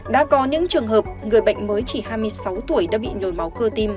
đã có những trường hợp người bệnh mới chỉ hai mươi sáu tuổi đã bị nhồi máu cơ tim